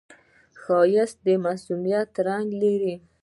ښایست د معصومیت رنگ لري